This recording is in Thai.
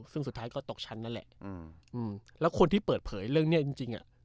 ซึ่งสุดท้ายก็ตกชั้นนั่นแหละอืมแล้วคนที่เปิดเผยเรื่องเนี้ยจริงจริงอ่ะ